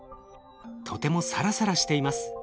とてもサラサラしています。